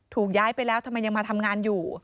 ย้ายไปแล้วทำไมยังมาทำงานอยู่